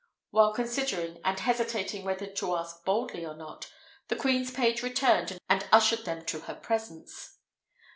While considering, and hesitating whether to ask boldly or not, the queen's page returned and ushered them to her presence.